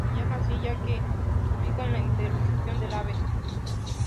Se llama así ya que se ubica en la intersección de la Av.